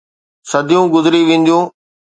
صديون گذري وينديون.